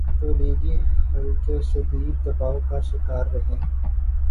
تولیگی حلقے شدید دباؤ کا شکارہیں۔